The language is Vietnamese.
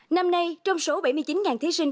năm nay trong số bảy mươi chín thí sinh